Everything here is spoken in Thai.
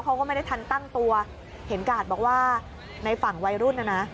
เขาก็ไม่ได้ทันตั้งตัวเห็นกาดบอกว่าในฝั่งวัยรุ่นน่ะนะ